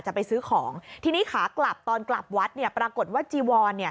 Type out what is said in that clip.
จะไปซื้อของทีนี้ค่ะตอนกลับวัดปรากฏว่าจีวอน